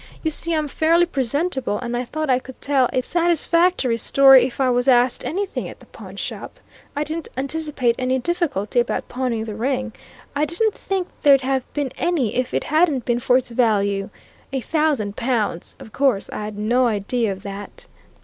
You see, I'm fairly presentable, and I thought I could tell a satisfactory story if I was asked anything at the pawnshop. I didn't anticipate any difficulty about pawning the ring I don't think there'd have been any if it hadn't been for its value. A thousand pounds! of course, I'd no idea of that!"